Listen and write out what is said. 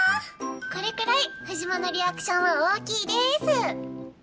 これくらい藤間のリアクションは大きいです。